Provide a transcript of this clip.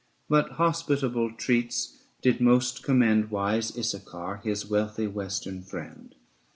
But hospitable treats did most commend Wise Issachar, his wealthy western friend.